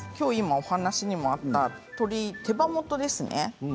お話にあった手羽元ですね。